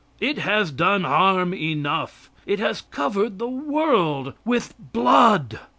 It has done harm enough. It has covered the world with blood.